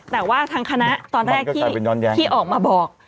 แต่ว่าทางคณะตอนแรกที่ออกมาบอก